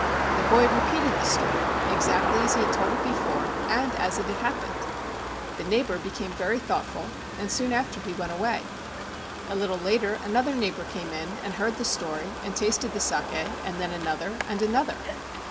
The boy repeated the story exactly as he had told it before, and as it had happened. The neighbor became very thoughtful, and soon after he went away. A little later another neighbor came in and heard the story and tasted the saki, and then another and another.